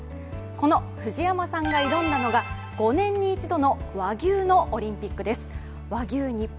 この藤山さんが挑んだのが５年に１度の和牛のオリンピックです。